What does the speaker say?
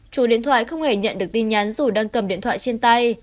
chủ điện thoại không hề nhận được tin nhắn dù đang cầm điện thoại trên tay